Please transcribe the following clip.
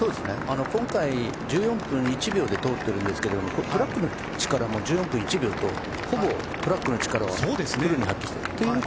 今回１４分１秒で通っているんですけどトラックの力も１４分１秒とほぼトラックの力をフルに発揮している。